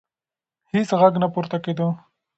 هیڅ غږ نه پورته کېده.